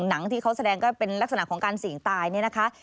หนังที่เขาแสดงก็เป็นลักษณะของการเสี่ยงตายเนี่ยนะคะ